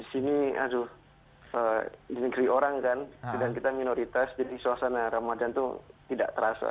sini aduh di negeri orang kan sedang kita minoritas jadi suasana ramadan itu tidak terasa